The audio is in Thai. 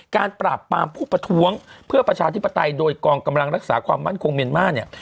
การปราบปรามผู้ประท้วงเพื่อประชาธิปไตยโดยกองกำลังรักษาความมั่นคงเมียนมาร์เนี่ย